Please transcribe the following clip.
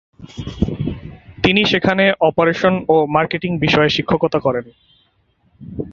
তিনি সেখানে অপারেশন ও মার্কেটিং বিষয়ে শিক্ষকতা করেন।